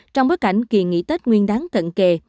trong bối cảnh kỳ nghỉ tết nguyên đáng cận kề